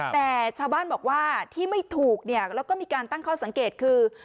แต่ชาวบ้านบอกว่าที่ไม่ถูกเนี่ยแล้วก็มีการตั้งข้อสังเกตคือ